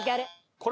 これ。